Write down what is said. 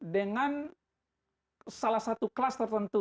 dengan salah satu kelas tertentu